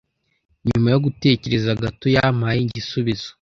Nyuma yo gutekereza gato, yampaye igisubizo.